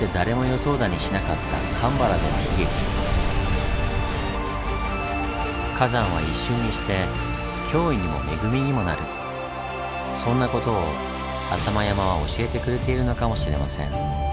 そんなことを浅間山は教えてくれているのかもしれません。